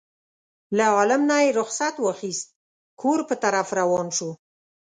له عالم نه یې رخصت واخیست کور په طرف روان شو.